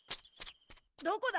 どこだ？